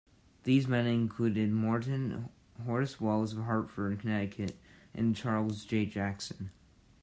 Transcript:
These men included Morton, Horace Wells of Hartford, Connecticut, and Charles J. Jackson.